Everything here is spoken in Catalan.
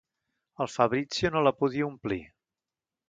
El Fabrizio no la podia omplir.